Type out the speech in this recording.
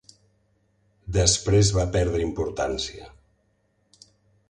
Després va perdre importància.